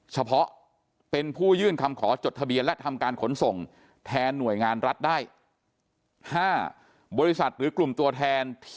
เฉพาะเป็นผู้ยื่นคำขอจดทะเบียนและทำการขนส่งแทนหน่วยงานรัฐได้๕บริษัทหรือกลุ่มตัวแทน